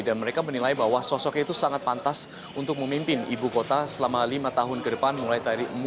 dan mereka menilai bahwa sosoknya itu sangat pantas untuk memimpin ibu kota selama lima tahun ke depan mulai dari tahun dua ribu tujuh belas